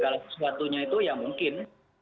kalau sesuatu itu ya mungkin